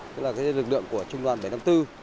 tức là lực lượng của trung đoàn bảy trăm năm mươi bốn